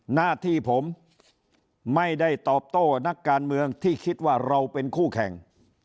หน้าที่ผมไม่ได้ตอบโต้นักการเมืองที่คิดว่าเราเป็นคู่แข่ง